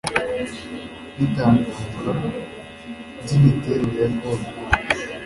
n itangazwa by imiterere ya konti